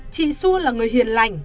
chị xua là người hiền lành